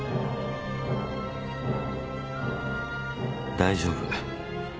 大丈夫。